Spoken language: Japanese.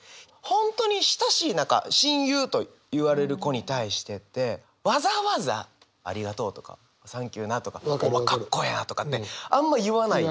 本当に親しい仲親友といわれる子に対してってわざわざ「ありがとう」とか「サンキューな」とか「お前かっこええな」とかってあんま言わない。